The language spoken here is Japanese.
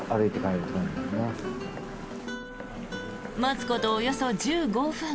待つことおよそ１５分。